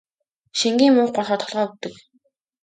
Шингэн юм уухгүй болохоор толгой өвдөг.